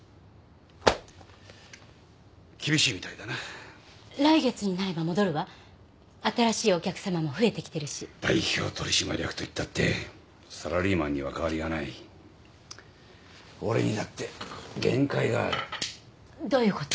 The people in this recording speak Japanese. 厳しいみたいだな来月になれば戻るわ新しいお客さまも増えてきてるし代表取締役といったってサラリーマンには変わりがない俺にだって限界があるどういうこと？